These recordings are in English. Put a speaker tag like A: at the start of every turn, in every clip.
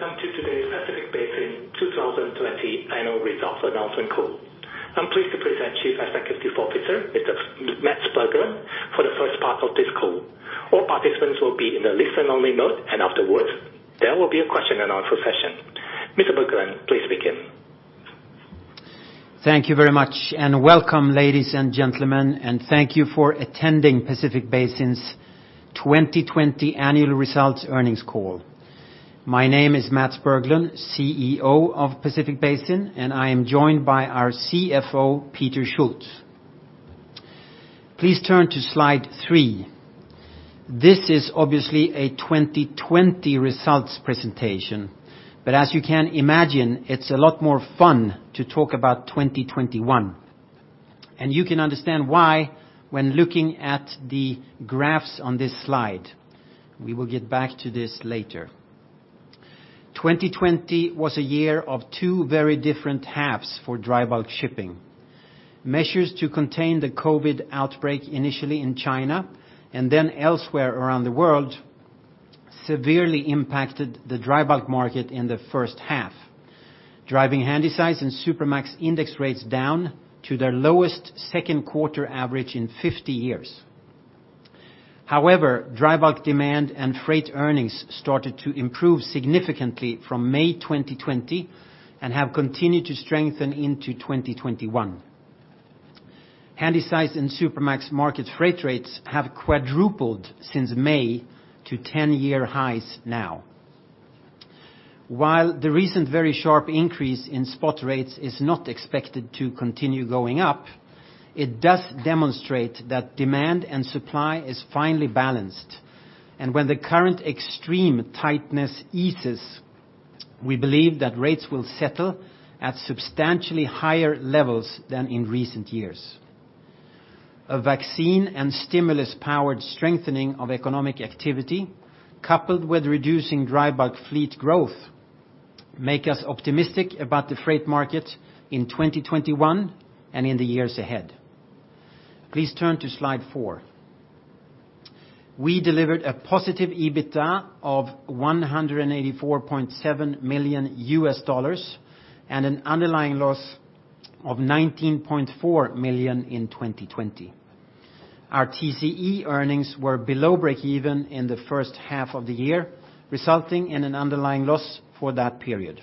A: Welcome to today's Pacific Basin 2020 Annual Results Announcement call. I'm pleased to present Chief Executive Officer, Mr. Mats Berglund, for the first part of this call. All participants will be in the listen only mode, and afterwards, there will be a question and answer session. Mr. Berglund, please begin.
B: Thank you very much, welcome, ladies and gentlemen, and thank you for attending Pacific Basin's 2020 annual results earnings call. My name is Mats Berglund, CEO of Pacific Basin, and I am joined by our CFO, Peter Schulz. Please turn to slide three. This is obviously a 2020 results presentation, as you can imagine, it's a lot more fun to talk about 2021. You can understand why when looking at the graphs on this slide. We will get back to this later. 2020 was a year of two very different halves for dry bulk shipping. Measures to contain the COVID outbreak, initially in China, and then elsewhere around the world, severely impacted the dry bulk market in the first half, driving Handysize and Supramax index rates down to their lowest second quarter average in 50 years. However, dry bulk demand and freight earnings started to improve significantly from May 2020 and have continued to strengthen into 2021. Handysize and Supramax market freight rates have quadrupled since May to 10-year highs now. While the recent very sharp increase in spot rates is not expected to continue going up, it does demonstrate that demand and supply is finally balanced. When the current extreme tightness eases, we believe that rates will settle at substantially higher levels than in recent years. A vaccine and stimulus-powered strengthening of economic activity, coupled with reducing dry bulk fleet growth, make us optimistic about the freight market in 2021 and in the years ahead. Please turn to slide four. We delivered a positive EBITDA of $184.7 million and an underlying loss of $19.4 million in 2020. Our TCE earnings were below breakeven in the first half of the year, resulting in an underlying loss for that period.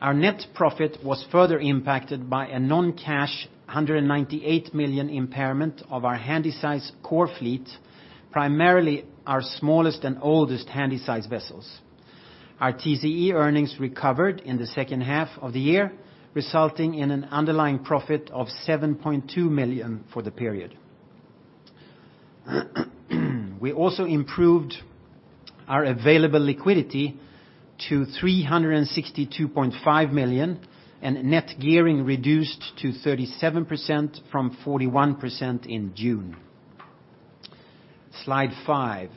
B: Our net profit was further impacted by a non-cash $198 million impairment of our Handysize core fleet, primarily our smallest and oldest Handysize vessels. Our TCE earnings recovered in the second half of the year, resulting in an underlying profit of $7.2 million for the period. We also improved our available liquidity to $362.5 million, and net gearing reduced to 37% from 41% in June. Slide five.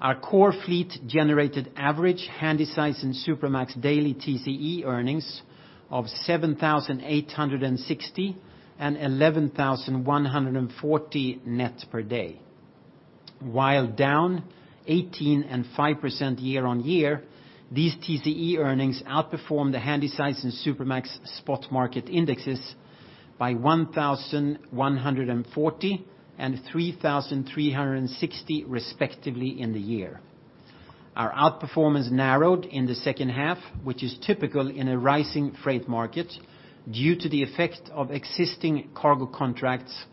B: Our core fleet generated average Handysize and Supramax daily TCE earnings of 7,860 and 11,140 net per day. While down 18% and 5% year-on-year, these TCE earnings outperformed the Handysize and Supramax spot market indexes by 1,140 and 3,360 respectively in the year. Our outperformance narrowed in the second half, which is typical in a rising freight market due to the effect of existing cargo contracts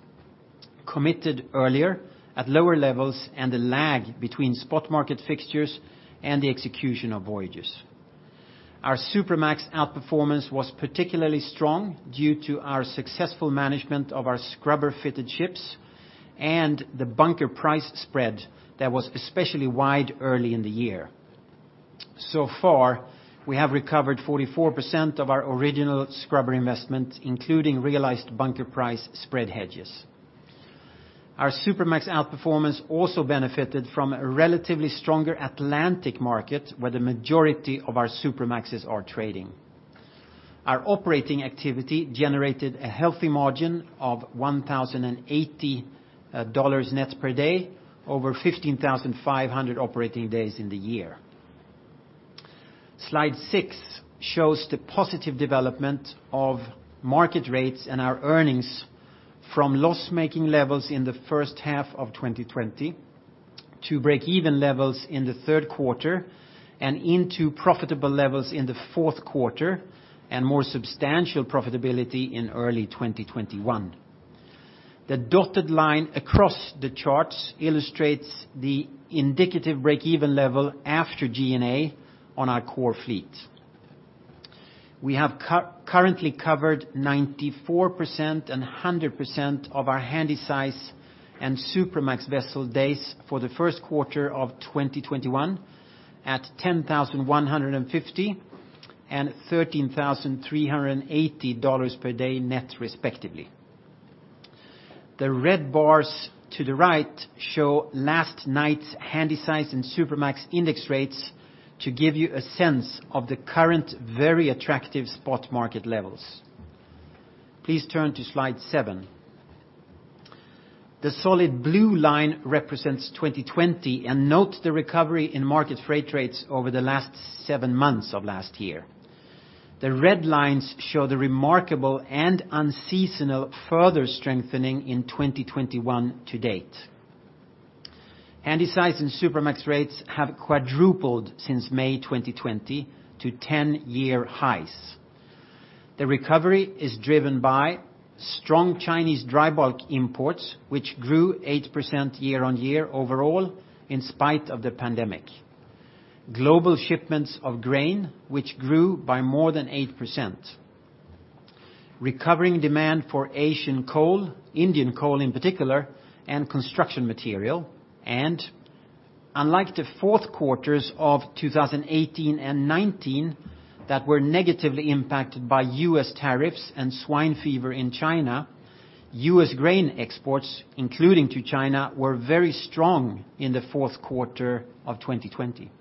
B: committed earlier at lower levels and the lag between spot market fixtures and the execution of voyages. Our Supramax outperformance was particularly strong due to our successful management of our scrubber-fitted ships and the bunker price spread that was especially wide early in the year. So far, we have recovered 44% of our original scrubber investment, including realized bunker price spread hedges. Our Supramax outperformance also benefited from a relatively stronger Atlantic market where the majority of our Supramaxes are trading. Our operating activity generated a healthy margin of $1,080 net per day over 15,500 operating days in the year. Slide six shows the positive development of market rates and our earnings from loss-making levels in the first half of 2020 to breakeven levels in the third quarter and into profitable levels in the fourth quarter, and more substantial profitability in early 2021. The dotted line across the charts illustrates the indicative breakeven level after G&A on our core fleet. We have currently covered 94% and 100% of our Handysize and Supramax vessel days for the first quarter of 2021 at $10,150 and $13,380 per day net respectively. The red bars to the right show last night's Handysize and Supramax index rates to give you a sense of the current very attractive spot market levels. Please turn to slide seven. The solid blue line represents 2020, and note the recovery in market freight rates over the last seven months of last year. The red lines show the remarkable and unseasonal further strengthening in 2021 to date. Handysize and Supramax rates have quadrupled since May 2020 to 10-year highs. The recovery is driven by strong Chinese dry bulk imports, which grew 8% year-on-year overall in spite of the pandemic. Global shipments of grain, which grew by more than 8%. Recovering demand for Asian coal, Indian coal in particular, and construction material, and unlike the fourth quarters of 2018 and 2019, that were negatively impacted by U.S. tariffs and swine fever in China, U.S. grain exports, including to China, were very strong in the fourth quarter of 2020.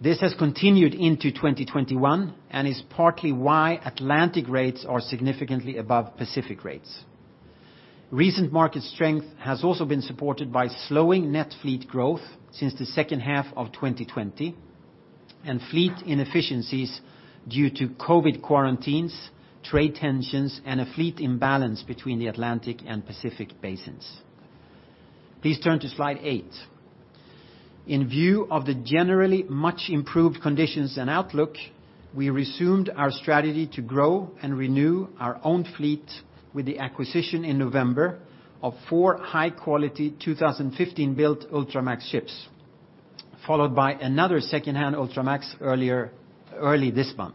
B: This has continued into 2021 and is partly why Atlantic rates are significantly above Pacific rates. Recent market strength has also been supported by slowing net fleet growth since the second half of 2020, and fleet inefficiencies due to COVID quarantines, trade tensions, and a fleet imbalance between the Atlantic and Pacific basins. Please turn to slide eight. In view of the generally much improved conditions and outlook, we resumed our strategy to grow and renew our own fleet with the acquisition in November of four high-quality 2015-built Ultramax ships, followed by another secondhand Ultramax early this month.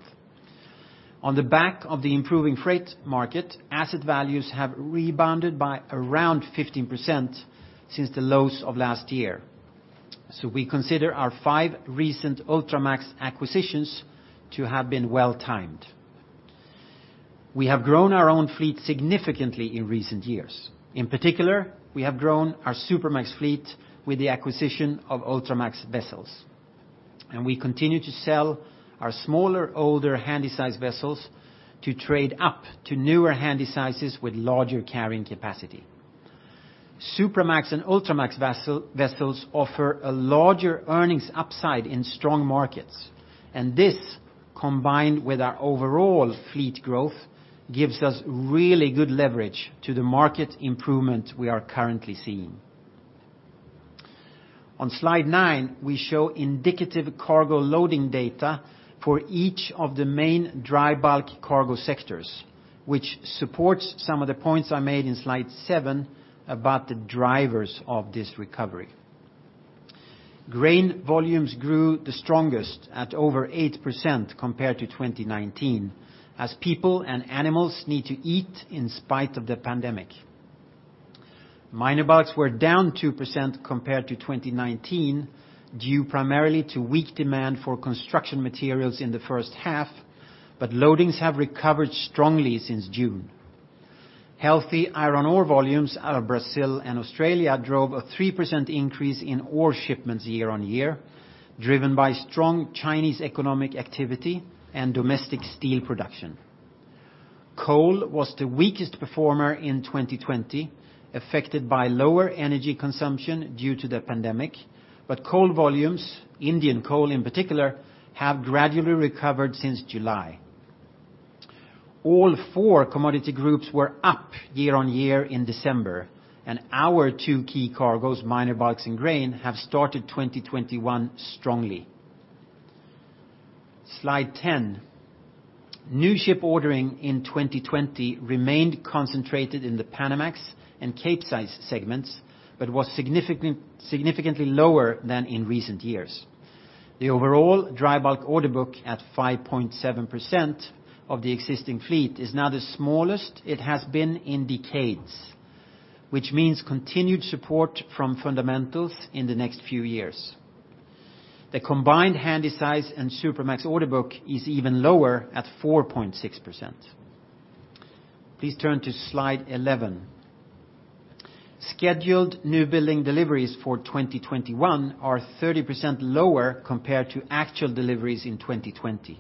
B: On the back of the improving freight market, asset values have rebounded by around 15% since the lows of last year. We consider our five recent Ultramax acquisitions to have been well-timed. We have grown our own fleet significantly in recent years. In particular, we have grown our Supramax fleet with the acquisition of Ultramax vessels, and we continue to sell our smaller, older Handysize vessels to trade up to newer Handysizes with larger carrying capacity. Supramax and Ultramax vessels offer a larger earnings upside in strong markets, and this, combined with our overall fleet growth, gives us really good leverage to the market improvement we are currently seeing. On slide nine, we show indicative cargo loading data for each of the main dry bulk cargo sectors, which supports some of the points I made in slide seven about the drivers of this recovery. Grain volumes grew the strongest at over 8% compared to 2019, as people and animals need to eat in spite of the pandemic. Minor bulks were down 2% compared to 2019, due primarily to weak demand for construction materials in the first half, but loadings have recovered strongly since June. Healthy iron ore volumes out of Brazil and Australia drove a 3% increase in ore shipments year-on-year, driven by strong Chinese economic activity and domestic steel production. Coal was the weakest performer in 2020, affected by lower energy consumption due to the pandemic, but coal volumes, Indian coal in particular, have gradually recovered since July. All four commodity groups were up year-on-year in December, and our two key cargoes, minor bulks and grain, have started 2021 strongly. Slide 10. New ship ordering in 2020 remained concentrated in the Panamax and Capesize segments, but was significantly lower than in recent years. The overall dry bulk order book at 5.7% of the existing fleet is now the smallest it has been in decades, which means continued support from fundamentals in the next few years. The combined Handysize and Supramax order book is even lower at 4.6%. Please turn to slide 11. Scheduled new building deliveries for 2021 are 30% lower compared to actual deliveries in 2020.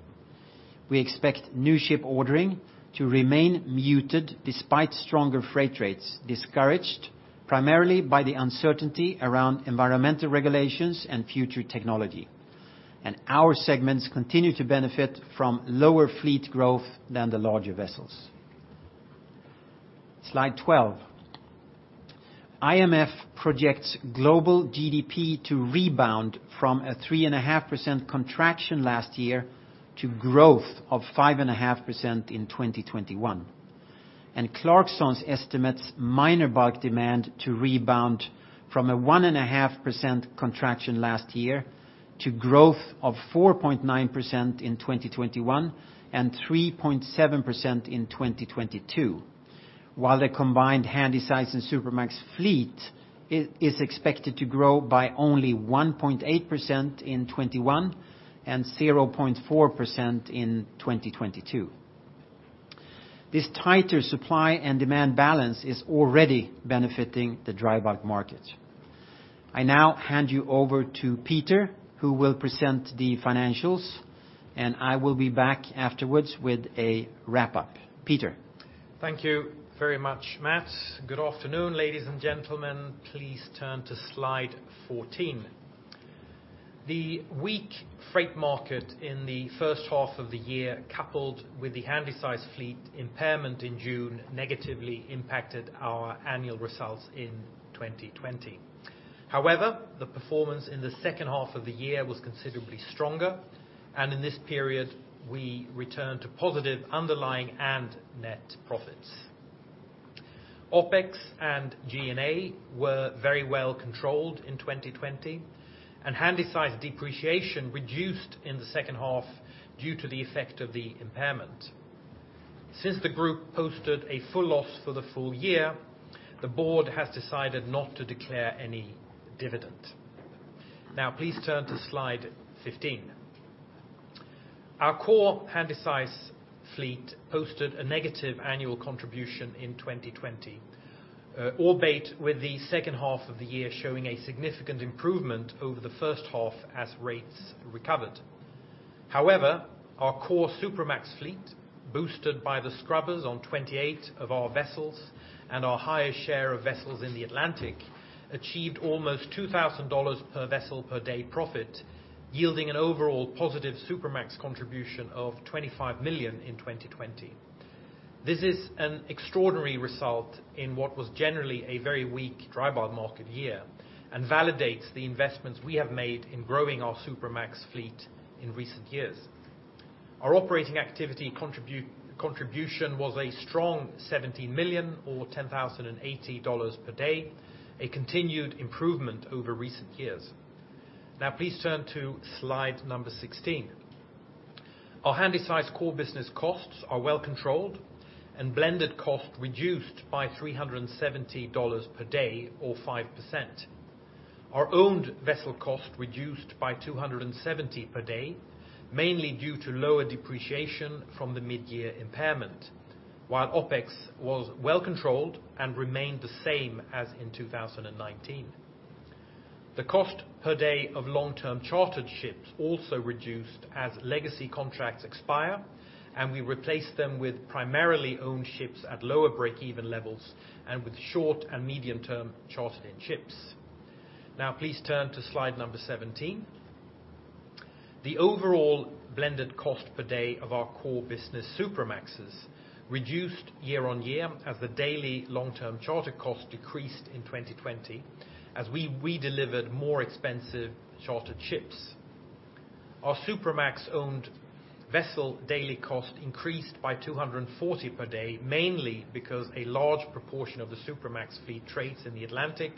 B: We expect new ship ordering to remain muted despite stronger freight rates, discouraged primarily by the uncertainty around environmental regulations and future technology. Our segments continue to benefit from lower fleet growth than the larger vessels. Slide 12. IMF projects global GDP to rebound from a 3.5% contraction last year to growth of 5.5% in 2021. Clarksons estimates minor bulk demand to rebound from a 1.5% contraction last year to growth of 4.9% in 2021 and 3.7% in 2022. While the combined Handysize and Supramax fleet is expected to grow by only 1.8% in 2021 and 0.4% in 2022. This tighter supply and demand balance is already benefiting the dry bulk market. I now hand you over to Peter, who will present the financials, and I will be back afterwards with a wrap-up. Peter.
C: Thank you very much, Mats. Good afternoon, ladies and gentlemen. Please turn to slide 14. The weak freight market in the first half of the year, coupled with the Handysize fleet impairment in June, negatively impacted our annual results in 2020. The performance in the second half of the year was considerably stronger, and in this period, we returned to positive underlying and net profits. OpEx and G&A were very well controlled in 2020, and Handysize depreciation reduced in the second half due to the effect of the impairment. Since the group posted a full loss for the full year, the board has decided not to declare any dividend. Please turn to slide 15. Our core Handysize fleet posted a negative annual contribution in 2020, albeit with the second half of the year showing a significant improvement over the first half as rates recovered. Our core Supramax fleet, boosted by the scrubbers on 28 of our vessels and our highest share of vessels in the Atlantic, achieved almost $2,000 per vessel per day profit, yielding an overall positive Supramax contribution of $25 million in 2020. This is an extraordinary result in what was generally a very weak dry bulk market year and validates the investments we have made in growing our Supramax fleet in recent years. Our operating activity contribution was a strong $17 million or $1,080 per day, a continued improvement over recent years. Please turn to slide number 16. Our Handysize core business costs are well controlled and blended cost reduced by $370 per day or 5%. Our owned vessel cost reduced by $270 per day, mainly due to lower depreciation from the mid-year impairment. OpEx was well controlled and remained the same as in 2019. The cost per day of long-term chartered ships also reduced as legacy contracts expire. We replaced them with primarily owned ships at lower breakeven levels and with short and medium-term chartered-in ships. Please turn to slide number 17. The overall blended cost per day of our core business Supramaxes reduced year-on-year as the daily long-term charter cost decreased in 2020 as we delivered more expensive chartered ships. Our Supramax owned vessel daily cost increased by $240 per day, mainly because a large proportion of the Supramax fleet trades in the Atlantic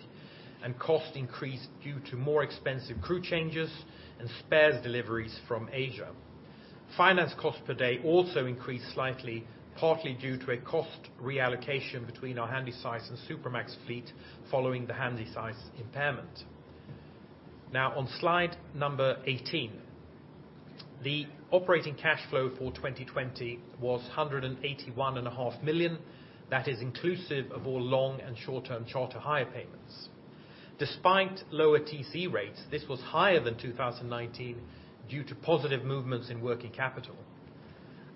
C: and cost increased due to more expensive crew changes and spares deliveries from Asia. Finance cost per day also increased slightly, partly due to a cost reallocation between our Handysize and Supramax fleet following the Handysize impairment. On slide number 18. The operating cash flow for 2020 was $181.5 million. That is inclusive of all long and short-term charter hire payments. Despite lower TC rates, this was higher than 2019 due to positive movements in working capital.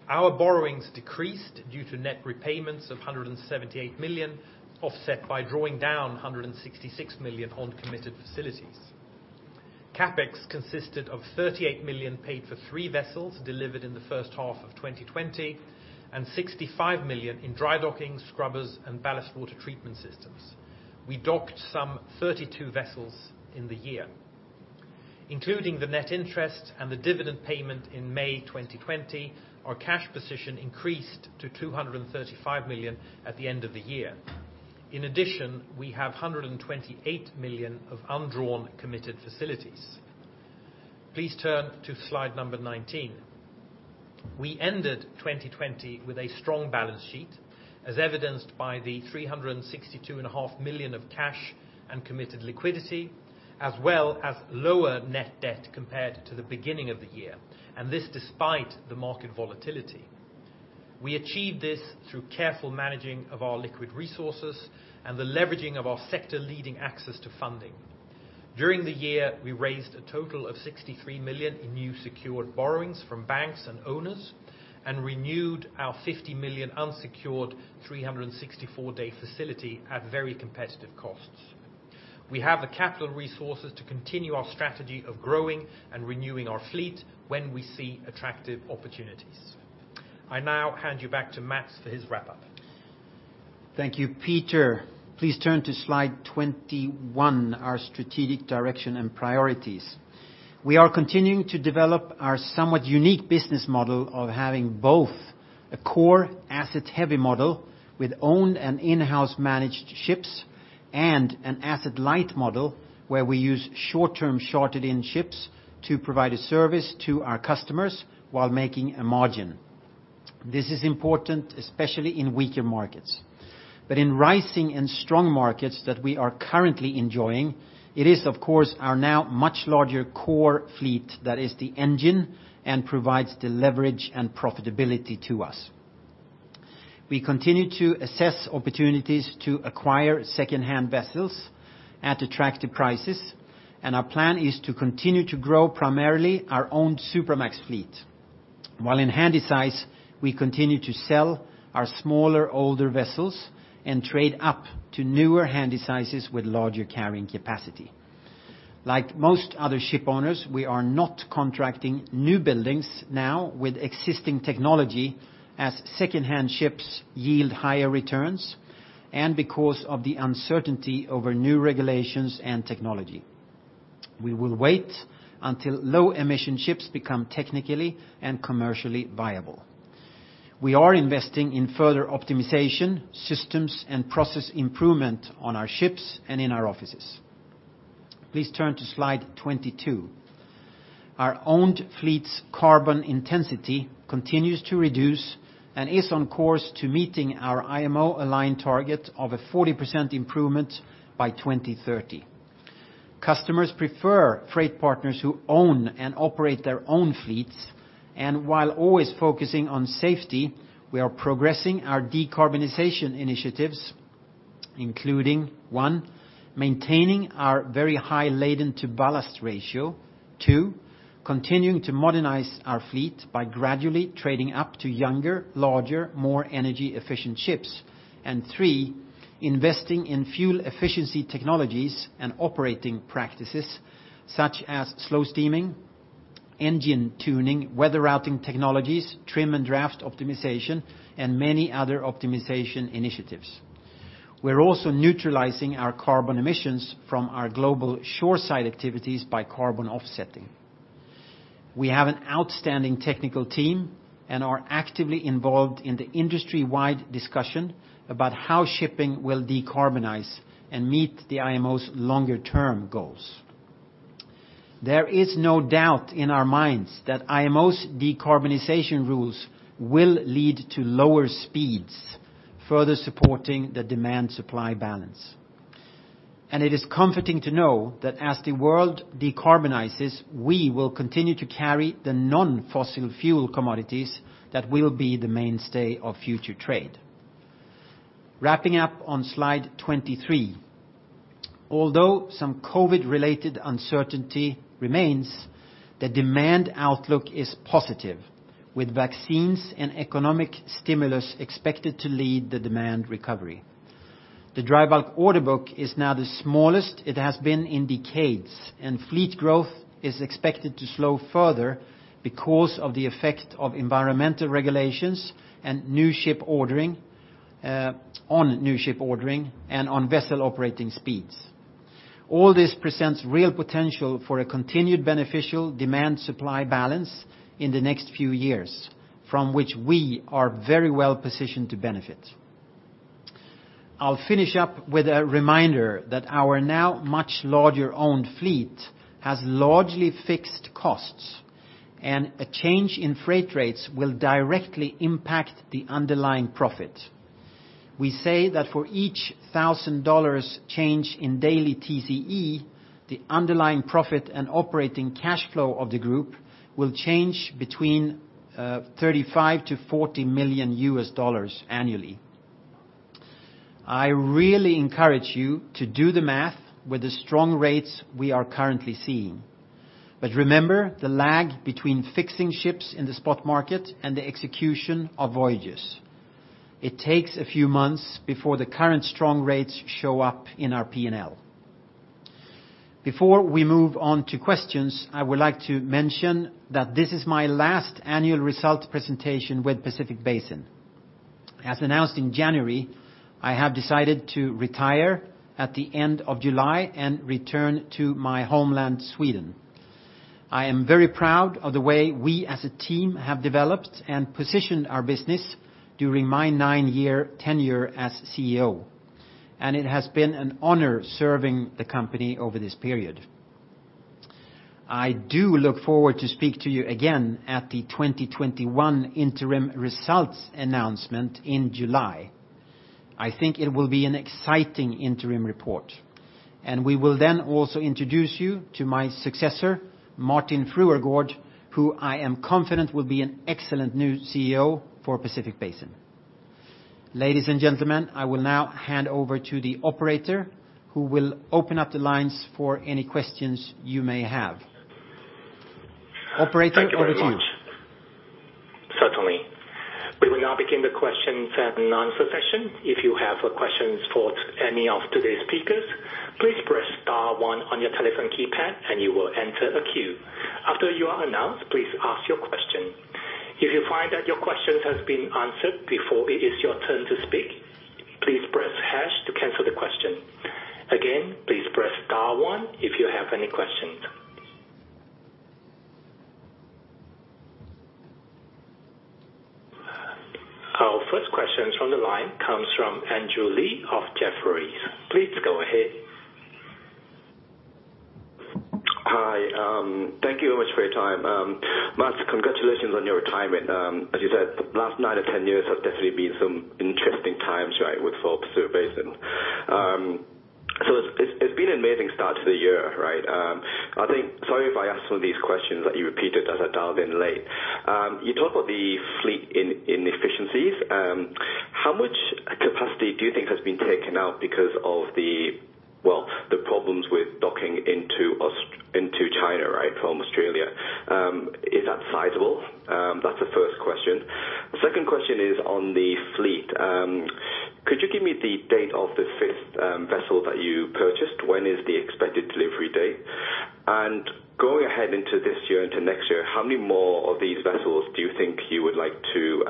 C: Our borrowings decreased due to net repayments of $178 million, offset by drawing down $166 million on committed facilities. CapEx consisted of $38 million paid for three vessels delivered in the first half of 2020 and $65 million in dry docking, scrubbers, and ballast water treatment systems. We docked some 32 vessels in the year. Including the net interest and the dividend payment in May 2020, our cash position increased to $235 million at the end of the year. In addition, we have $128 million of undrawn committed facilities. Please turn to slide number 19. We ended 2020 with a strong balance sheet, as evidenced by the $362.5 million of cash and committed liquidity, as well as lower net debt compared to the beginning of the year. This despite the market volatility. We achieved this through careful managing of our liquid resources and the leveraging of our sector-leading access to funding. During the year, we raised a total of $63 million in new secured borrowings from banks and owners and renewed our $50 million unsecured 364-day facility at very competitive costs. We have the capital resources to continue our strategy of growing and renewing our fleet when we see attractive opportunities. I now hand you back to Mats for his wrap-up.
B: Thank you, Peter. Please turn to slide 21, our strategic direction and priorities. We are continuing to develop our somewhat unique business model of having both a core asset-heavy model with owned and in-house managed ships and an asset-light model where we use short-term chartered in ships to provide a service to our customers while making a margin. This is important, especially in weaker markets. In rising and strong markets that we are currently enjoying, it is of course our now much larger core fleet that is the engine and provides the leverage and profitability to us. We continue to assess opportunities to acquire secondhand vessels at attractive prices, and our plan is to continue to grow primarily our own Supramax fleet. While in Handysize, we continue to sell our smaller, older vessels and trade up to newer Handysizes with larger carrying capacity. Like most other shipowners, we are not contracting new buildings now with existing technology, as secondhand ships yield higher returns, and because of the uncertainty over new regulations and technology. We will wait until low-emission ships become technically and commercially viable. We are investing in further optimization, systems, and process improvement on our ships and in our offices. Please turn to slide 22. Our owned fleet's carbon intensity continues to reduce and is on course to meeting our IMO-aligned target of a 40% improvement by 2030. Customers prefer freight partners who own and operate their own fleets, and while always focusing on safety, we are progressing our decarbonization initiatives, including, one, maintaining our very high laden to ballast ratio. Two, continuing to modernize our fleet by gradually trading up to younger, larger, more energy-efficient ships. Three, investing in fuel efficiency technologies and operating practices such as slow steaming, engine tuning, weather routing technologies, trim and draft optimization, and many other optimization initiatives. We're also neutralizing our carbon emissions from our global shoreside activities by carbon offsetting. We have an outstanding technical team and are actively involved in the industry-wide discussion about how shipping will decarbonize and meet the IMO's longer-term goals. There is no doubt in our minds that IMO's decarbonization rules will lead to lower speeds, further supporting the demand-supply balance. It is comforting to know that as the world decarbonizes, we will continue to carry the non-fossil fuel commodities that will be the mainstay of future trade. Wrapping up on slide 23. Although some COVID-related uncertainty remains, the demand outlook is positive, with vaccines and economic stimulus expected to lead the demand recovery. The dry bulk order book is now the smallest it has been in decades, and fleet growth is expected to slow further because of the effect of environmental regulations and on new ship ordering and on vessel operating speeds. All this presents real potential for a continued beneficial demand-supply balance in the next few years, from which we are very well-positioned to benefit. I'll finish up with a reminder that our now much larger owned fleet has largely fixed costs, and a change in freight rates will directly impact the underlying profit. We say that for each $1,000 change in daily TCE, the underlying profit and operating cash flow of the group will change between $35 million-$40 million annually. I really encourage you to do the math with the strong rates we are currently seeing. Remember the lag between fixing ships in the spot market and the execution of voyages. It takes a few months before the current strong rates show up in our P&L. Before we move on to questions, I would like to mention that this is my last annual results presentation with Pacific Basin. As announced in January, I have decided to retire at the end of July and return to my homeland, Sweden. I am very proud of the way we as a team have developed and positioned our business during my nine-year tenure as CEO, and it has been an honor serving the company over this period. I do look forward to speak to you again at the 2021 interim results announcement in July. I think it will be an exciting interim report, and we will then also introduce you to my successor, Martin Fruergaard, who I am confident will be an excellent new CEO for Pacific Basin. Ladies and gentlemen, I will now hand over to the operator who will open up the lines for any questions you may have. Operator, over to you.
A: Thank you very much. Certainly. We will now begin the questions and answer session. If you have questions for any of today's speakers, please press star one on your telephone keypad and you will enter a queue. After you are announced, please ask your question. If you find that your question has been answered before it is your turn to speak, please press hash to cancel the question. Again, please press star one if you have any questions. Our first question from the line comes from Andrew Lee of Jefferies. Please go ahead.
D: Hi. Thank you very much for your time. Mats, congratulations on your retirement. As you said, the last nine or 10 years have definitely been some interesting times, right, with folks at Pacific. It's been an amazing start to the year, right? Sorry if I ask some of these questions that you repeated, as I dialed in late. You talked about the fleet inefficiencies. How much capacity do you think has been taken out because of the problems with docking into China from Australia? Is that sizable? That's the first question. The second question is on the fleet. Could you give me the date of the fifth vessel that you purchased? When is the expected delivery date? Going ahead into this year into next year, how many more of these vessels do you think you would like to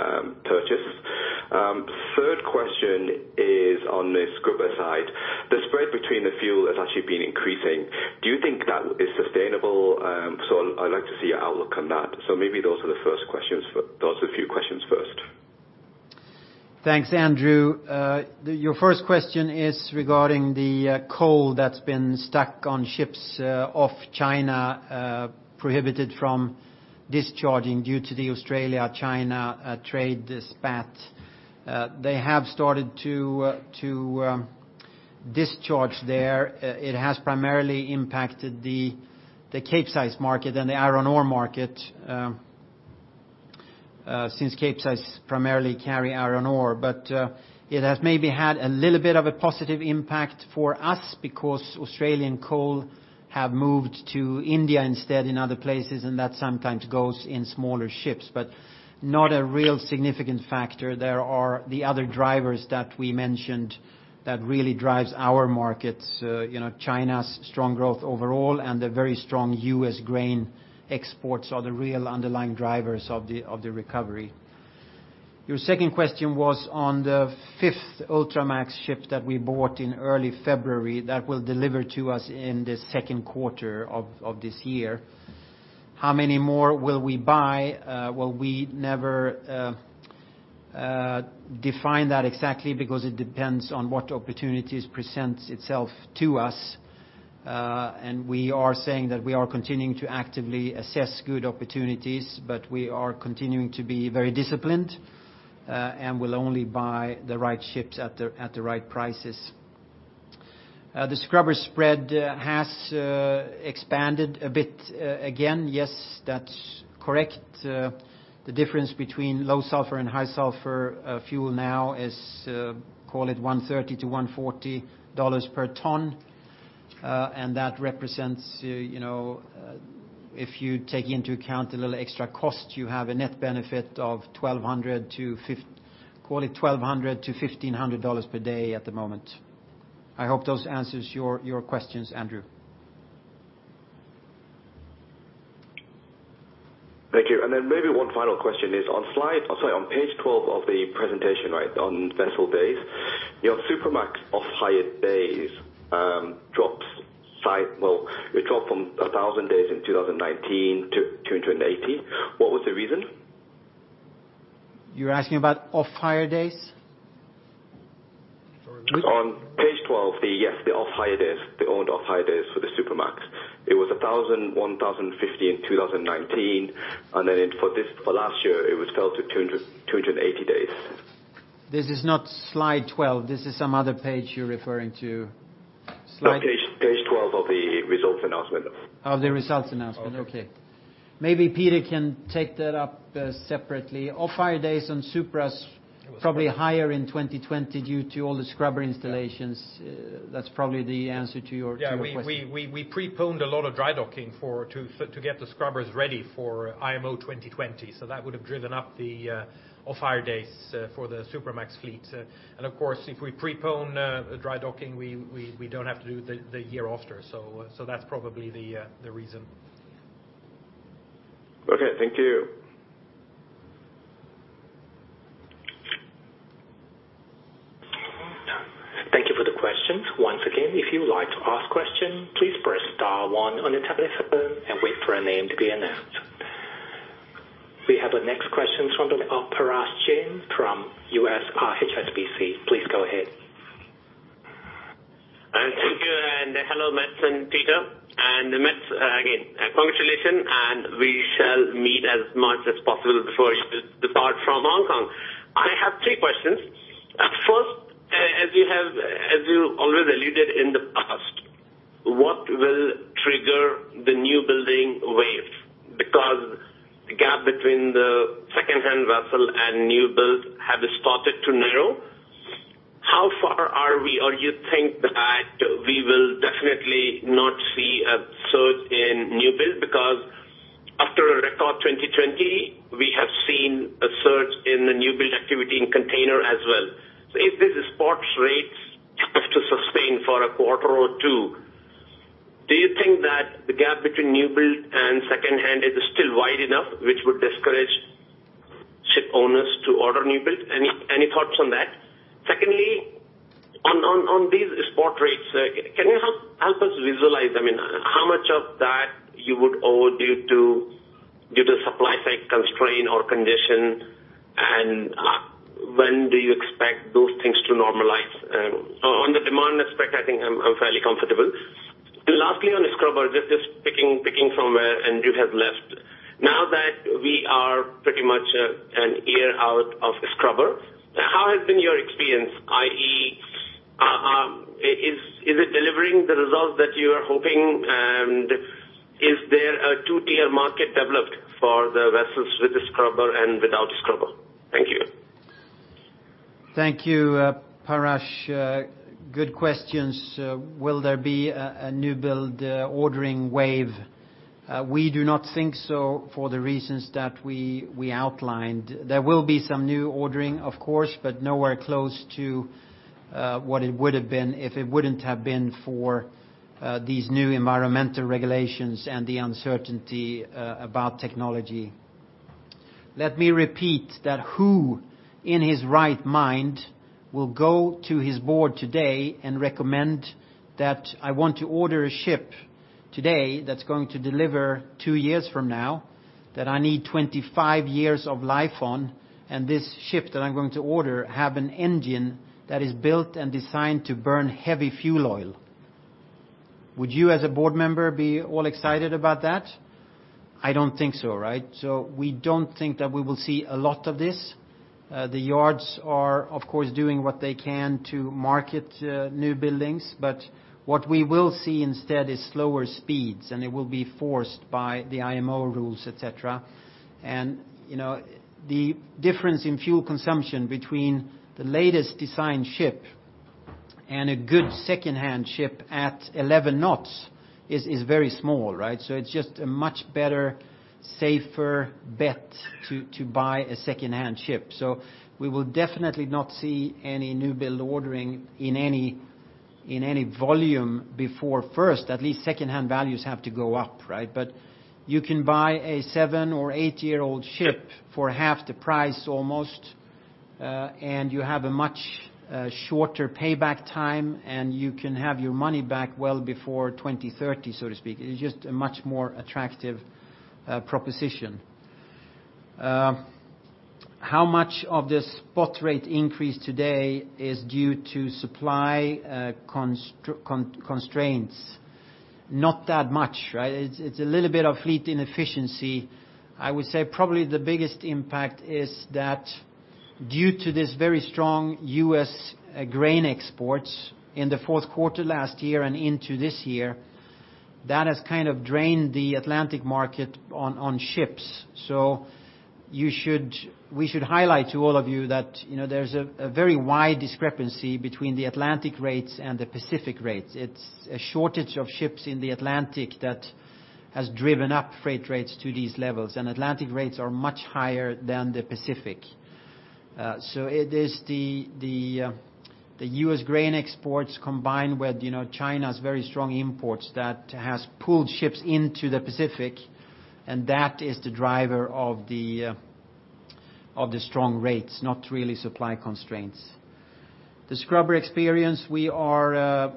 D: purchase? Third question is on the scrubber side. The spread between the fuel has actually been increasing. Do you think that is sustainable? I'd like to see your outlook on that. Maybe those are the few questions first.
B: Thanks, Andrew. Your first question is regarding the coal that's been stuck on ships off China, prohibited from discharging due to the Australia-China trade dispute. They have started to discharge there. It has primarily impacted the Capesize market and the iron ore market, since Capesize primarily carry iron ore. It has maybe had a little bit of a positive impact for us, because Australian coal have moved to India instead, and other places, and that sometimes goes in smaller ships. Not a real significant factor. There are the other drivers that we mentioned that really drives our markets. China's strong growth overall, and the very strong U.S. grain exports, are the real underlying drivers of the recovery. Your second question was on the fifth Ultramax ship that we bought in early February, that will deliver to us in the second quarter of this year. How many more will we buy? Well, we never define that exactly, because it depends on what opportunities presents itself to us. We are saying that we are continuing to actively assess good opportunities, but we are continuing to be very disciplined, and will only buy the right ships at the right prices. The scrubber spread has expanded a bit again. Yes, that's correct. The difference between low sulfur and high sulfur fuel now is, call it $130-$140 per ton. That represents, if you take into account a little extra cost, you have a net benefit of call it $1,200-$1,500 per day at the moment. I hope those answers your questions, Andrew.
D: Thank you. Maybe one final question is on page 12 of the presentation, on vessel days. Your Supramax off-hire days, it dropped from 1,000 days in 2019 to 280. What was the reason?
B: You're asking about off-hire days?
D: On page 12, yes, the off-hire days, the owned off-hire days for the Supramax. It was 1,000, 1,050 in 2019. For last year, it was fell to 280 days.
B: This is not slide 12. This is some other page you're referring to.
D: No, page 12 of the results announcement.
B: Of the results announcement.
D: Okay.
B: Okay. Maybe Peter can take that up separately. Off-hire days on Supras, probably higher in 2020 due to all the scrubber installations. That's probably the answer to your question.
C: Yeah. We preponed a lot of dry docking to get the scrubbers ready for IMO 2020. That would have driven up the off-hire days for the Supramax fleet. Of course, if we prepone dry docking, we don't have to do the year after. That's probably the reason.
D: Okay, thank you.
A: Thank you for the questions. Once again, if you would like to ask question, please press star one on your telephone and wait for a name to be announced. We have our next question from Parash Jain from [USR] HSBC. Please go ahead.
E: Thank you. Hello Mats and Peter. Mats, again, congratulations, and we shall meet as much as possible before you depart from Hong Kong. I have three questions. First, as you already alluded in the past, what will trigger the new building wave? The gap between the secondhand vessel and new build have started to narrow. How far are we, or you think that we will definitely not see a surge in new build? After a record 2020, we have seen a surge in the new build activity in container as well. If these spot rates are to sustain for a quarter or two, do you think that the gap between new build and secondhand is still wide enough, which would discourage ship owners to order new build? Any thoughts on that? Secondly, on these spot rates, can you help us visualize them? How much of that you would owe due to supply side constraint or condition, when do you expect those things to normalize? On the demand aspect, I think I'm fairly comfortable. Lastly, on scrubber, just picking from where Andrew has left. Now that we are pretty much an year out of scrubber. In your experience, i.e., is it delivering the results that you are hoping? Is there a two-tier market developed for the vessels with the scrubber and without scrubber? Thank you.
B: Thank you, Parash. Good questions. Will there be a new build ordering wave? We do not think so for the reasons that we outlined. Nowhere close to what it would have been if it wouldn't have been for these new environmental regulations and the uncertainty about technology. Let me repeat that who in his right mind will go to his board today and recommend that I want to order a ship today that's going to deliver two years from now, that I need 25 years of life on, and this ship that I'm going to order have an engine that is built and designed to burn heavy fuel oil. Would you, as a board member, be all excited about that? I don't think so, right? We don't think that we will see a lot of this. The yards are, of course, doing what they can to market new buildings, but what we will see instead is slower speeds, and it will be forced by the IMO rules, et cetera. The difference in fuel consumption between the latest design ship and a good secondhand ship at 11 knots is very small, right? It's just a much better, safer bet to buy a secondhand ship. We will definitely not see any new build ordering in any volume before first, at least secondhand values have to go up, right? You can buy a seven or eight-year-old ship for half the price almost, and you have a much shorter payback time, and you can have your money back well before 2030, so to speak. It's just a much more attractive proposition. How much of the spot rate increase today is due to supply constraints? Not that much, right? It's a little bit of fleet inefficiency. I would say probably the biggest impact is that due to this very strong U.S. grain exports in the fourth quarter last year and into this year, that has kind of drained the Atlantic market on ships. We should highlight to all of you that there's a very wide discrepancy between the Atlantic rates and the Pacific rates. It's a shortage of ships in the Atlantic that has driven up freight rates to these levels, and Atlantic rates are much higher than the Pacific. It is the U.S. grain exports combined with China's very strong imports that has pulled ships into the Pacific, and that is the driver of the strong rates, not really supply constraints. The scrubber experience, we are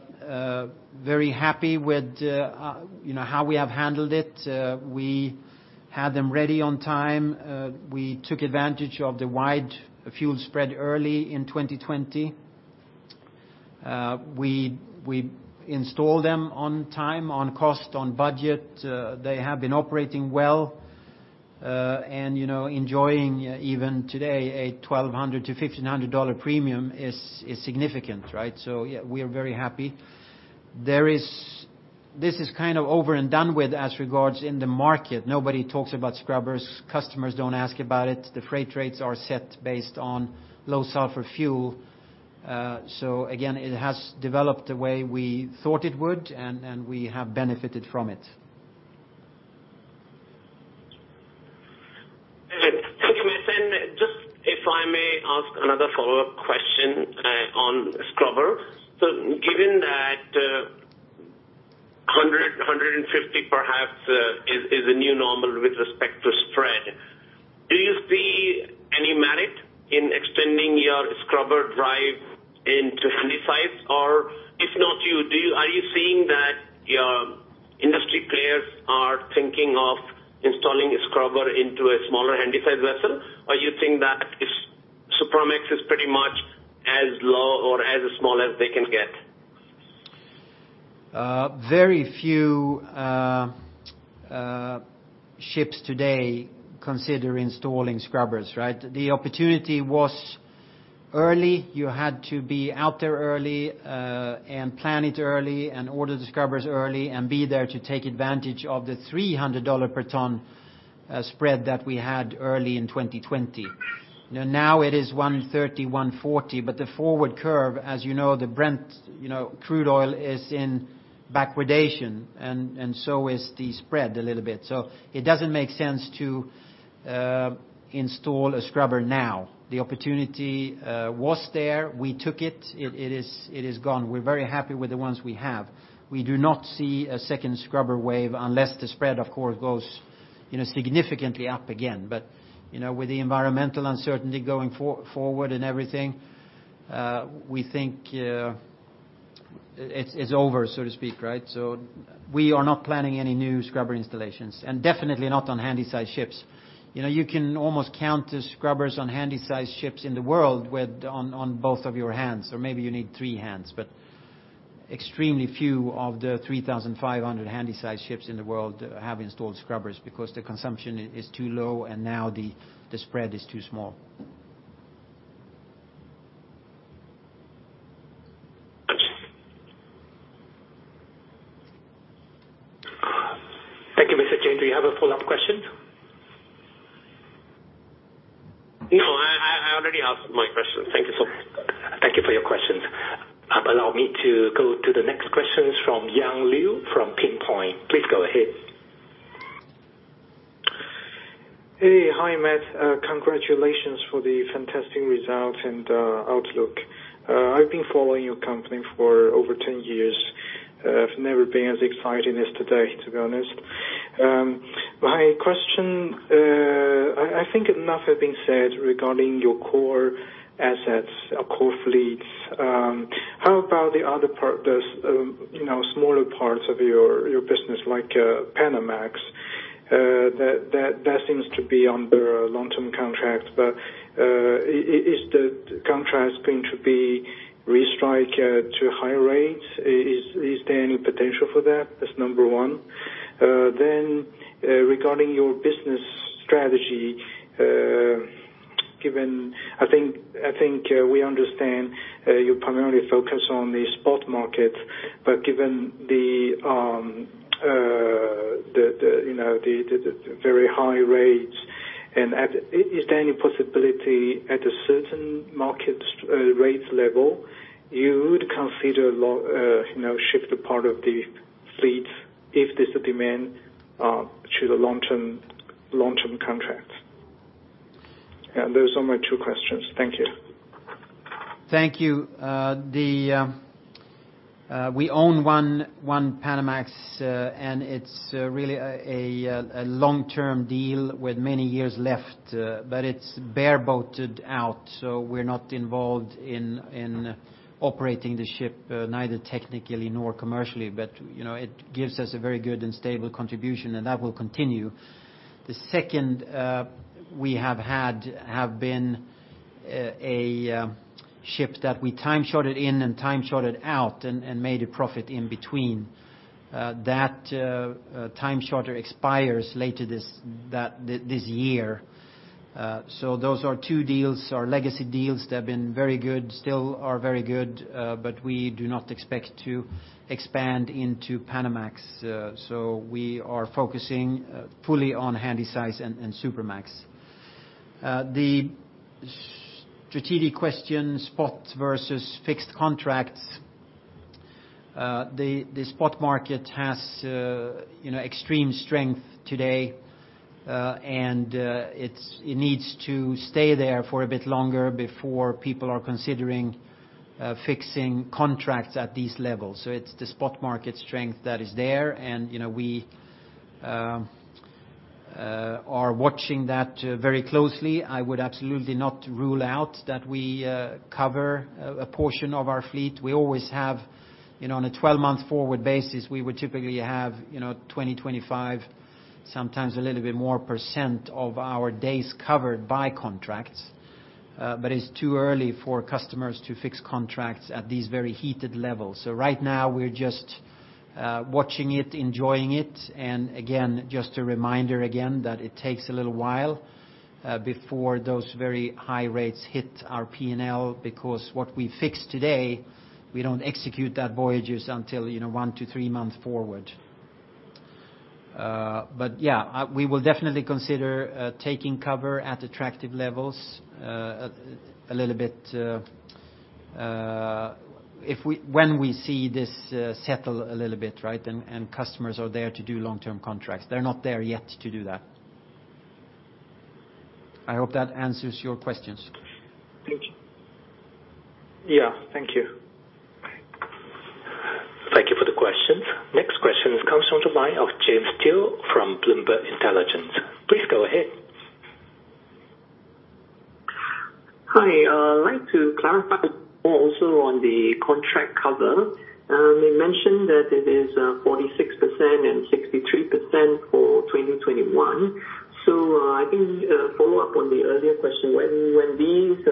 B: very happy with how we have handled it. We had them ready on time. We took advantage of the wide fuel spread early in 2020. We installed them on time, on cost, on budget. They have been operating well, and enjoying even today a $1,200-$1,500 premium is significant, right? Yeah, we are very happy. This is kind of over and done with as regards in the market. Nobody talks about scrubbers. Customers don't ask about it. The freight rates are set based on low sulfur fuel. Again, it has developed the way we thought it would, and we have benefited from it.
E: Thank you, Mats. Just if I may ask another follow-up question on scrubber. Given that 100, 150 perhaps is a new normal with respect to spread, do you see any merit in extending your scrubber drive into Handysize? If not you, are you seeing that your industry players are thinking of installing a scrubber into a smaller Handysize vessel? You think that Supramax is pretty much as low or as small as they can get?
B: Very few ships today consider installing scrubbers, right? The opportunity was early. You had to be out there early, and plan it early, and order the scrubbers early, and be there to take advantage of the $300 per ton spread that we had early in 2020. Now it is $130, $140, but the forward curve, as you know, the Brent crude oil is in backwardation, and so is the spread a little bit. It doesn't make sense to install a scrubber now. The opportunity was there. We took it. It is gone. We're very happy with the ones we have. We do not see a second scrubber wave unless the spread, of course, goes significantly up again. With the environmental uncertainty going forward and everything, we think it's over, so to speak, right? We are not planning any new scrubber installations, and definitely not on Handysize ships. You can almost count the scrubbers on Handysize ships in the world on both of your hands, or maybe you need three hands. Extremely few of the 3,500 Handysize ships in the world have installed scrubbers because the consumption is too low, and now the spread is too small.
E: Thank you.
A: Thank you, Mr. Jain. Do you have a follow-up question?
E: No, I already asked my question. Thank you so much.
A: Thank you for your questions. Allow me to go to the next question from Yang Liu from Pinpoint. Please go ahead.
F: Hey. Hi, Mats. Congratulations for the fantastic results and outlook. I've been following your company for over 10 years. I've never been as excited as today, to be honest. My question, I think enough has been said regarding your core assets, core fleets. How about the other smaller parts of your business, like Panamax? That seems to be under a long-term contract, but is the contract going to be restrike to higher rates? Is there any potential for that? That's number one. Regarding your business strategy, I think we understand you primarily focus on the spot market, but given the very high rates, is there any possibility at a certain market rate level you would consider shift a part of the fleet if there's a demand to the long-term contract? Those are my two questions. Thank you.
B: Thank you. We own one Panamax, and it's really a long-term deal with many years left. It's bareboated out, so we're not involved in operating the ship, neither technically nor commercially. It gives us a very good and stable contribution, and that will continue. The second we have been a ship that we time-chartered in and time-chartered out and made a profit in between. That time charter expires later this year. Those are two deals, our legacy deals, that have been very good, still are very good. We do not expect to expand into Panamax. We are focusing fully on Handysize and Supramax. The strategic question, spot versus fixed contracts. The spot market has extreme strength today, and it needs to stay there for a bit longer before people are considering fixing contracts at these levels. It's the spot market strength that is there, and we are watching that very closely. I would absolutely not rule out that we cover a portion of our fleet. On a 12-month forward basis, we would typically have 20%, 25%, sometimes a little bit more percent of our days covered by contracts. It's too early for customers to fix contracts at these very heated levels. Right now, we're just watching it, enjoying it, and again, just a reminder again, that it takes a little while before those very high rates hit our P&L, because what we fix today, we don't execute that voyages until one to three months forward. Yeah, we will definitely consider taking cover at attractive levels when we see this settle a little bit, and customers are there to do long-term contracts. They're not there yet to do that. I hope that answers your questions.
F: Thank you. Yeah, thank you.
A: Thank you for the questions. Next question comes from the line of James Till from Bloomberg Intelligence. Please go ahead.
G: Hi. I'd like to clarify more also on the contract cover. You mentioned that it is 46% and 63% for 2021. I think follow up on the earlier question, when these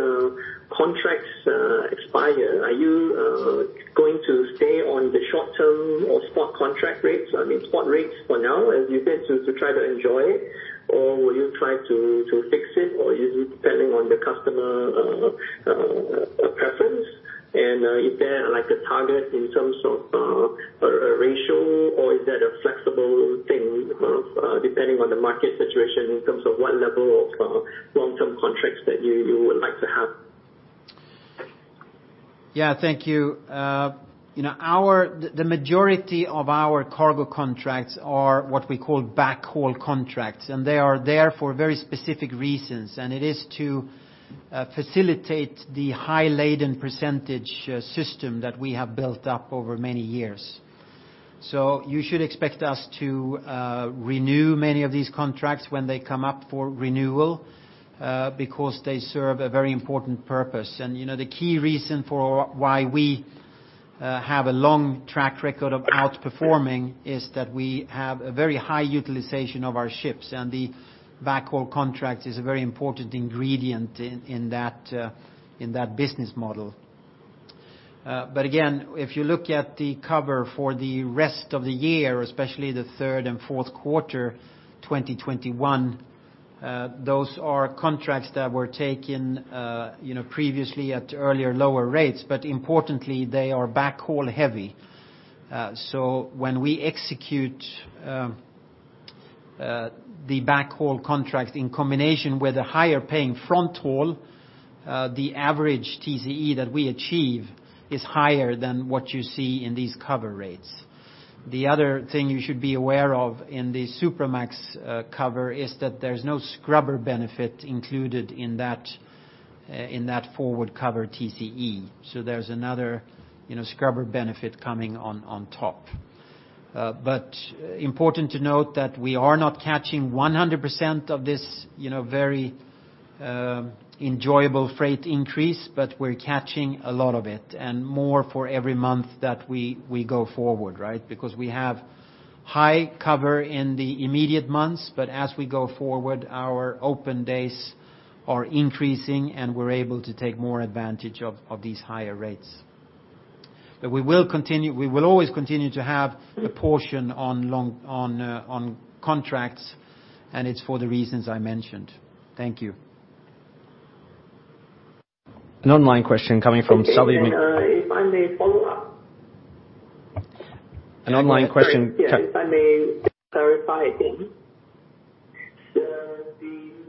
G: contracts expire, are you going to stay on the short-term or spot contract rates? I mean spot rates for now, as you said, to try to enjoy it, or will you try to fix it, or is it depending on the customer preference? Is there a target in terms of a ratio, or is that a flexible thing depending on the market situation in terms of what level of long-term contracts that you would like to have?
B: Yeah, thank you. The majority of our cargo contracts are what we call backhaul contracts, and they are there for very specific reasons, and it is to facilitate the high laden percentage system that we have built up over many years. You should expect us to renew many of these contracts when they come up for renewal, because they serve a very important purpose. The key reason for why we have a long track record of outperforming is that we have a very high utilization of our ships, and the backhaul contract is a very important ingredient in that business model. Again, if you look at the cover for the rest of the year, especially the third and fourth quarter 2021, those are contracts that were taken previously at earlier lower rates. Importantly, they are backhaul heavy. When we execute the backhaul contract in combination with a higher paying front haul, the average TCE that we achieve is higher than what you see in these cover rates. The other thing you should be aware of in the Supramax cover is that there's no scrubber benefit included in that forward cover TCE. There's another scrubber benefit coming on top. Important to note that we are not catching 100% of this very enjoyable freight increase, but we're catching a lot of it, and more for every month that we go forward, right? We have high cover in the immediate months, but as we go forward, our open days are increasing, and we're able to take more advantage of these higher rates. We will always continue to have a portion on contracts, and it's for the reasons I mentioned. Thank you.
H: An online question coming from Sally.
G: Okay. If I may follow up.
H: An online question-
G: Yeah, if I may clarify again. The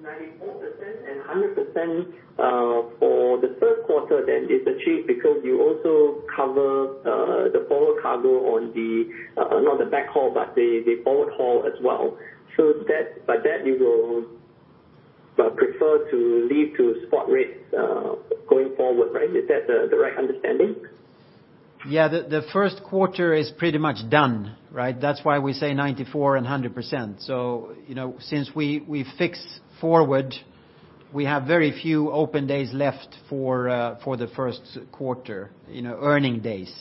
G: 94% and 100% for the first quarter then is achieved because you also cover the forward cargo on the, not the backhaul, but the forward haul as well. By that you will prefer to leave to spot rates, going forward, right? Is that the right understanding?
B: Yeah. The first quarter is pretty much done, right? That's why we say 94% and 100%. Since we fix forward, we have very few open days left for the first quarter, earning days.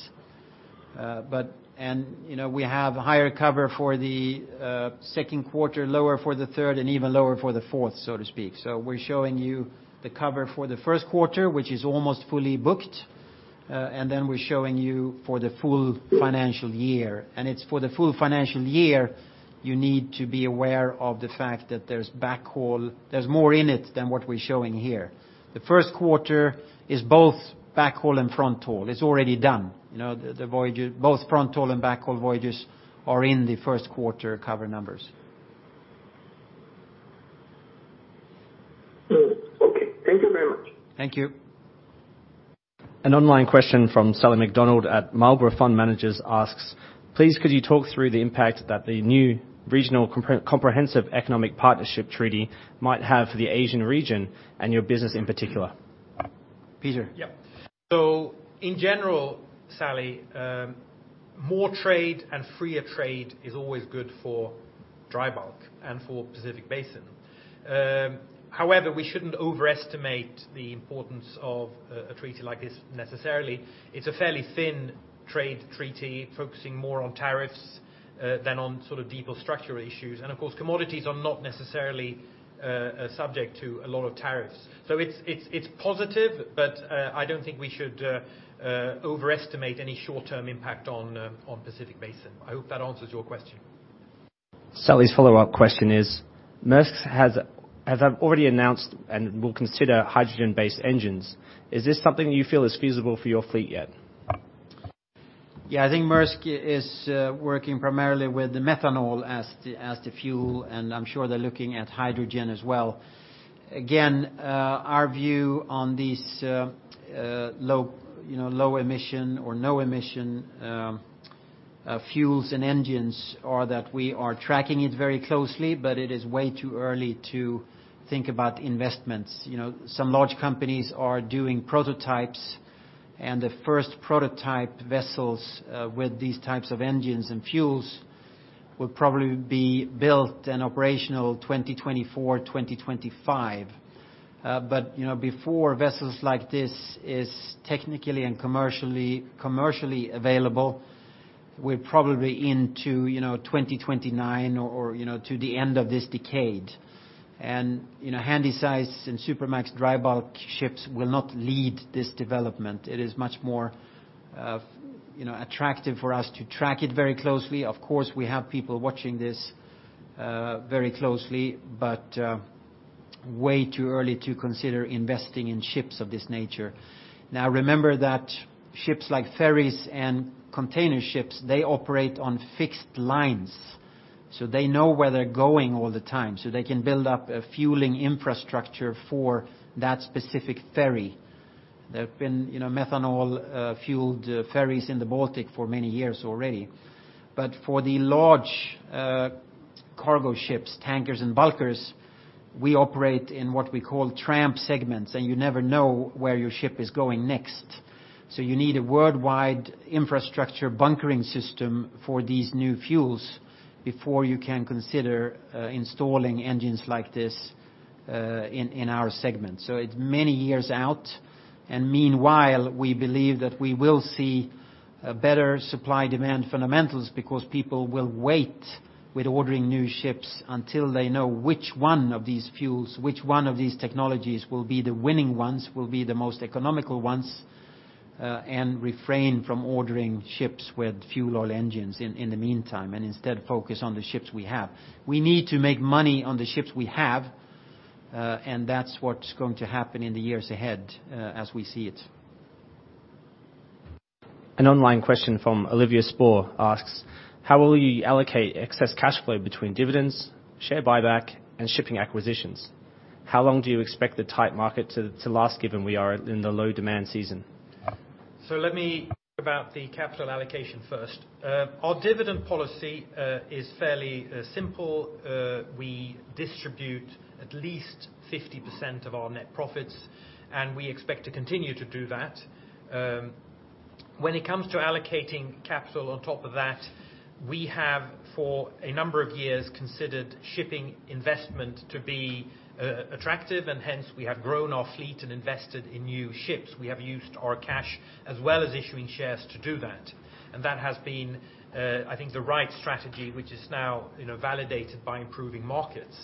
B: We have higher cover for the second quarter, lower for the third and even lower for the fourth, so to speak. We're showing you the cover for the first quarter, which is almost fully booked. We're showing you for the full financial year, and it's for the full financial year, you need to be aware of the fact that there's backhaul. There's more in it than what we're showing here. The first quarter is both backhaul and front haul. It's already done. Both front haul and backhaul voyages are in the first quarter cover numbers.
G: Okay. Thank you very much.
B: Thank you.
H: An online question from Sally Macdonald at Marlborough Fund Managers asks, "Please could you talk through the impact that the new Regional Comprehensive Economic Partnership treaty might have for the Asian region and your business in particular?
B: Peter?
C: Yeah. In general, Sally, more trade and freer trade is always good for dry bulk and for Pacific Basin. However, we shouldn't overestimate the importance of a treaty like this necessarily. It's a fairly thin trade treaty, focusing more on tariffs, than on deeper structural issues. Of course, commodities are not necessarily subject to a lot of tariffs. It's positive, but I don't think we should overestimate any short-term impact on Pacific Basin. I hope that answers your question.
H: Sally's follow-up question is, "Maersk has already announced and will consider hydrogen-based engines. Is this something you feel is feasible for your fleet yet?
B: Yeah. I think Maersk is working primarily with methanol as the fuel, and I'm sure they're looking at hydrogen as well. Our view on these low emission or no emission fuels and engines are that we are tracking it very closely, but it is way too early to think about investments. Some large companies are doing prototypes, the first prototype vessels with these types of engines and fuels will probably be built and operational 2024, 2025. Before vessels like this is technically and commercially available, we're probably into 2029 or to the end of this decade. Handysize and Supramax dry bulk ships will not lead this development. It is much more attractive for us to track it very closely. Of course, we have people watching this very closely, but way too early to consider investing in ships of this nature. Now, remember that ships like ferries and container ships, they operate on fixed lines, so they know where they're going all the time, so they can build up a fueling infrastructure for that specific ferry. There have been methanol-fueled ferries in the Baltic for many years already. For the large cargo ships, tankers, and bulkers, we operate in what we call tramp segments, and you never know where your ship is going next. You need a worldwide infrastructure bunkering system for these new fuels before you can consider installing engines like this in our segment. It's many years out, and meanwhile, we believe that we will see a better supply-demand fundamentals because people will wait with ordering new ships until they know which one of these fuels, which one of these technologies will be the winning ones, will be the most economical ones, and refrain from ordering ships with fuel oil engines in the meantime, and instead focus on the ships we have. We need to make money on the ships we have, and that's what's going to happen in the years ahead, as we see it.
H: An online question from Olivia Spore asks, "How will you allocate excess cash flow between dividends, share buyback, and shipping acquisitions? How long do you expect the tight market to last, given we are in the low-demand season?
C: Let me talk about the capital allocation first. Our dividend policy is fairly simple. We distribute at least 50% of our net profits, and we expect to continue to do that. When it comes to allocating capital on top of that, we have, for a number of years, considered shipping investment to be attractive, and hence, we have grown our fleet and invested in new ships. We have used our cash as well as issuing shares to do that. That has been, I think, the right strategy, which is now validated by improving markets.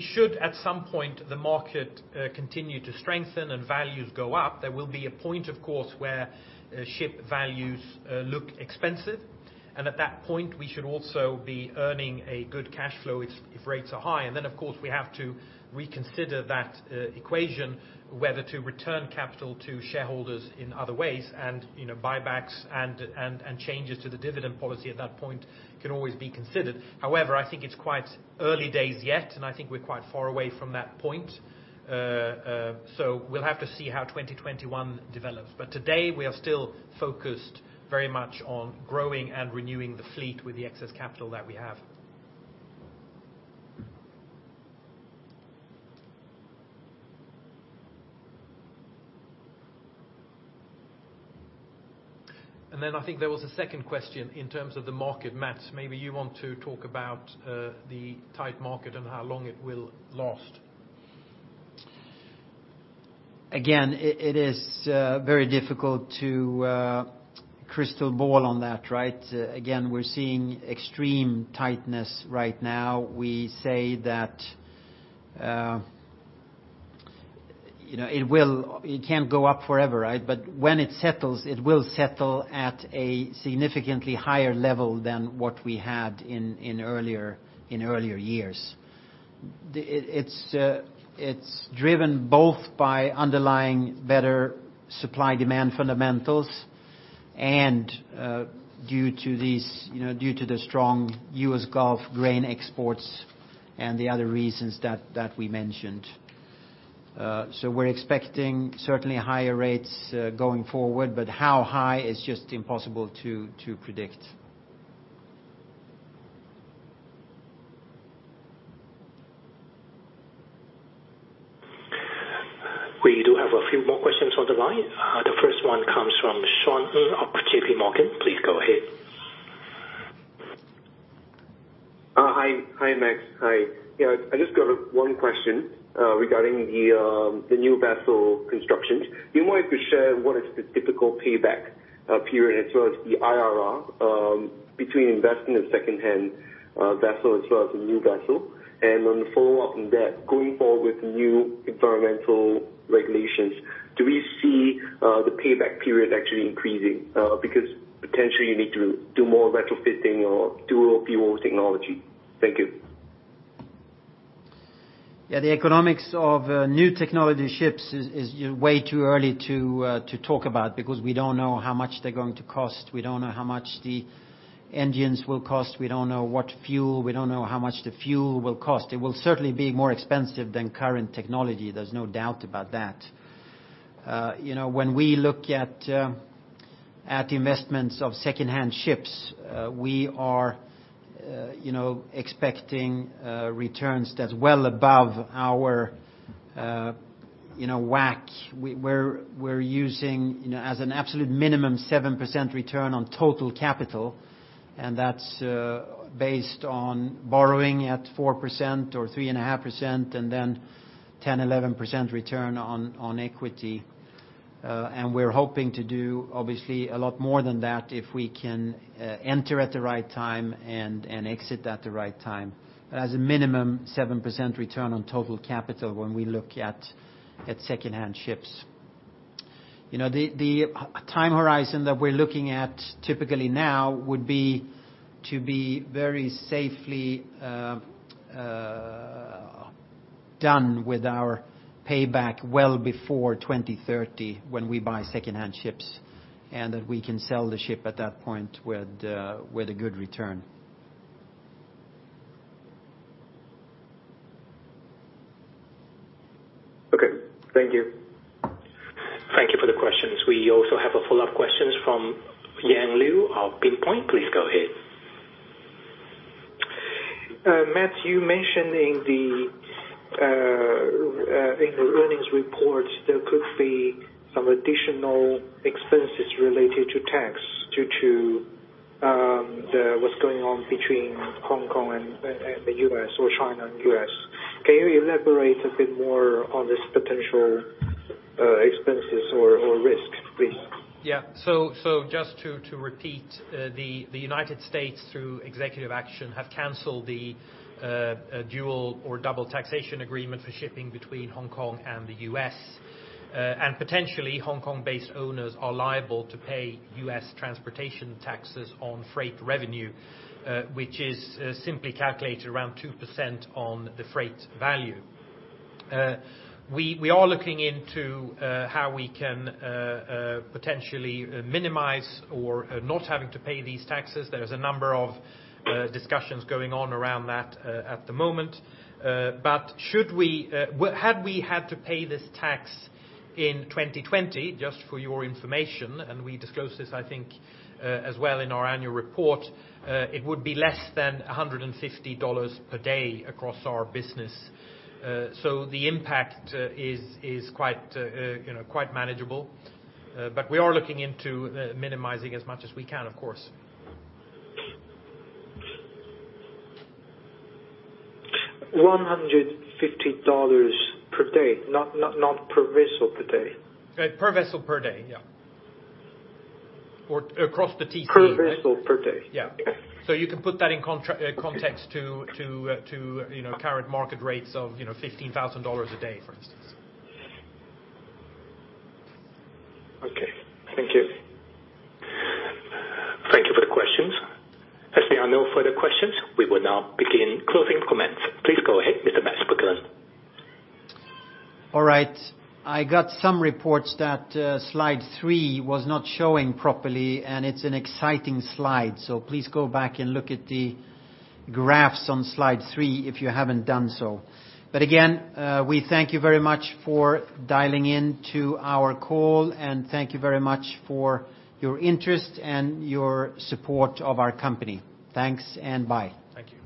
C: Should at some point the market continue to strengthen and values go up, there will be a point, of course, where ship values look expensive. At that point, we should also be earning a good cash flow if rates are high. Then, of course, we have to reconsider that equation, whether to return capital to shareholders in other ways and buybacks and changes to the dividend policy at that point can always be considered. However, I think it's quite early days yet, and I think we're quite far away from that point. We'll have to see how 2021 develops. Today, we are still focused very much on growing and renewing the fleet with the excess capital that we have. Then I think there was a second question in terms of the market. Mats, maybe you want to talk about the tight market and how long it will last.
B: Again, it is very difficult to crystal ball on that, right? Again, we're seeing extreme tightness right now. We say that it can't go up forever, right? When it settles, it will settle at a significantly higher level than what we had in earlier years. It's driven both by underlying better supply-demand fundamentals and due to the strong U.S. Gulf grain exports and the other reasons that we mentioned. We're expecting certainly higher rates going forward, but how high is just impossible to predict.
A: We do have a few more questions on the line. The first one comes from Shawn of JPMorgan. Please go ahead.
I: Hi, Mats. I just got one question regarding the new vessel constructions. Do you mind if you share what is the typical payback period as well as the IRR between investing in secondhand vessel as well as a new vessel? On the follow-up on that, going forward with new environmental regulations, do we see the payback period actually increasing? Because potentially you need to do more retrofitting or dual fuel technology. Thank you.
B: Yeah, the economics of new technology ships is way too early to talk about, because we don't know how much they're going to cost. We don't know how much the engines will cost. We don't know what fuel. We don't know how much the fuel will cost. It will certainly be more expensive than current technology. There's no doubt about that. When we look at investments of secondhand ships, we are expecting returns that's well above our WACC. We're using, as an absolute minimum, 7% return on total capital, and that's based on borrowing at 4% or 3.5% and then 10, 11% return on equity. We're hoping to do, obviously, a lot more than that if we can enter at the right time and exit at the right time. As a minimum, 7% return on total capital when we look at secondhand ships. The time horizon that we're looking at typically now would be to be very safely done with our payback well before 2030 when we buy secondhand ships, and that we can sell the ship at that point with a good return.
I: Okay. Thank you.
A: Thank you for the questions. We also have a follow-up question from Yang Liu of Pinpoint. Please go ahead.
F: Mats, you mentioned in the earnings report there could be some additional expenses related to tax due to what's going on between Hong Kong and the U.S. or China and U.S. Can you elaborate a bit more on this potential expenses or risk, please?
C: Just to repeat, the U.S., through executive action, have canceled the dual or double taxation agreement for shipping between Hong Kong and the U.S. Potentially, Hong Kong-based owners are liable to pay U.S. transportation taxes on freight revenue, which is simply calculated around 2% on the freight value. We are looking into how we can potentially minimize or not having to pay these taxes. There is a number of discussions going on around that at the moment. Had we had to pay this tax in 2020, just for your information, and we disclosed this, I think, as well in our annual report, it would be less than $150 per day across our business. The impact is quite manageable. We are looking into minimizing as much as we can, of course.
F: $150 per day, not per vessel per day?
C: Per vessel per day, yeah. Across the TC.
F: Per vessel per day?
C: Yeah.
F: Okay.
C: You can put that in context to current market rates of $15,000 a day, for instance.
F: Okay. Thank you.
A: Thank you for the questions. As there are no further questions, we will now begin closing comments. Please go ahead, Mr. Mats Berglund. All right. I got some reports that slide three was not showing properly. It's an exciting slide. Please go back and look at the graphs on slide three if you haven't done so. Again, we thank you very much for dialing in to our call, and thank you very much for your interest and your support of our company. Thanks, and bye.
C: Thank you.